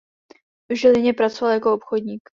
V Žilině pracoval jako obchodník.